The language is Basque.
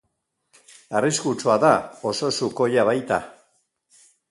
Arriskutsua da, oso sukoia baita.